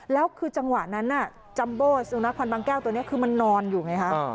แล้วคือจังหวะนั้นจัมโบสุนัขพันธ์บางแก้วตัวนี้คือมันนอนอยู่ไงฮะ